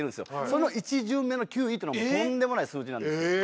その１巡目の９位っていうのはとんでもない数字なんですよ。